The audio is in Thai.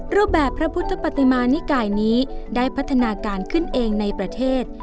รูปแบบพระพุทธปฏิมานิกายนี้ได้พัฒนาการขึ้นเองในประเทศ